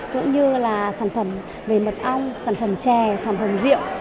cũng như là sản phẩm về mật ong sản phẩm chè sản phẩm rượu